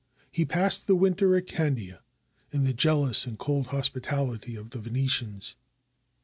He passed the winter at Candia, in the jealous and cold hospitality of the Venetians.